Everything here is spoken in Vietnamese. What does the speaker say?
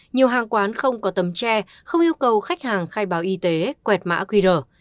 nhiều hàng quán không có tấm tre không yêu cầu khách hàng khai báo y tế quẹt mã qr